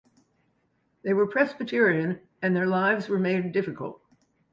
They were Presbyterian and their lives were made difficult.